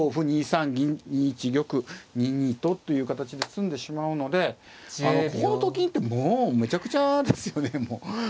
２三銀２一玉２二とという形で詰んでしまうのでここのと金ってもうめちゃくちゃですよね。